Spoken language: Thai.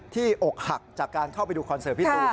อกหักจากการเข้าไปดูคอนเสิร์ตพี่ตูน